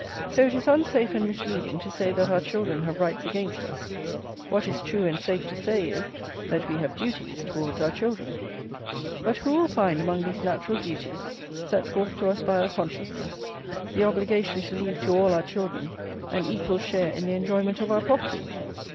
So it is unsafe and misleading to say that our children have rights against us; what is true and safe to say is, that we have duties towards our children. But who will find among these natural duties, set forth to us by our consciousness, the obligation to leave to all our children an equal share in the enjoyment of our property?